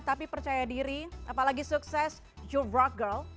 tapi percaya diri apalagi sukses you rock girl